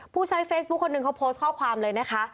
ผู้ใช้เฟซบุ๊คคนหนึ่งเขาโพสต์ข้อความเลยนะคะ